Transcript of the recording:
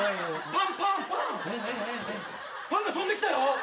パンが飛んできたよ！